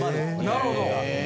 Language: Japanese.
なるほど。